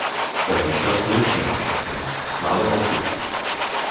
Bei uns gab es Wildschwein anstatt Gans, war aber auch gut.